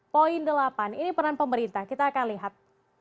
poin delapan ini peran pemerintah kita akan lihat